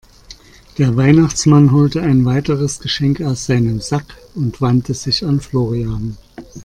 Der Weihnachtsmann holte ein weiteres Geschenk aus seinem Sack und wandte sich an Florian.